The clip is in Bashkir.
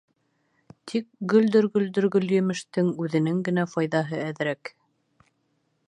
Тик гөлдөр-гөлдөр гөлйемештең үҙенең генә файҙаһы әҙерәк.